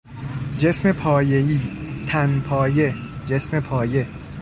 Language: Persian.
جسم پایهای، تنپایه، جسم پایه